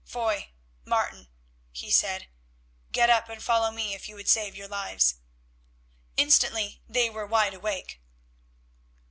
"Foy, Martin," he said, "get up and follow me if you would save your lives." Instantly they were wide awake.